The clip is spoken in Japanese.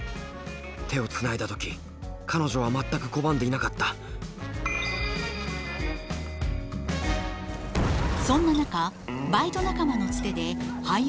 手をつないだ時彼女は全く拒んでいなかったそんな中バイト仲間のツテで俳優の仕事を得ますが。